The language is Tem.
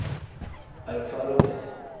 Alifa lube.